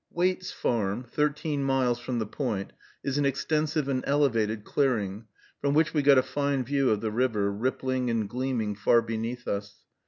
Waite's farm, thirteen miles from the Point, is an extensive and elevated clearing, from which we got a fine view of the river, rippling and gleaming far beneath us.